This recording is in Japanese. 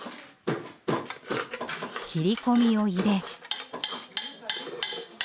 切り込みを入れ。